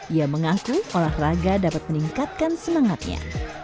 ia mengaku olahraga dapat meningkatkan semangatnya